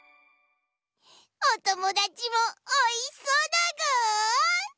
おともだちもおいしそうだぐ！